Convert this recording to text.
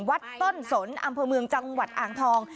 วัดต้นสนอำเภอเมืองจังหวัดอ่างทอง